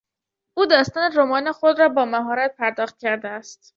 او داستان رمان خود را با مهارت پرداخت کرده است.